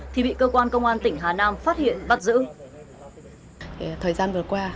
thì bị cơ quan công an tỉnh hà nam phát hiện bắt giữ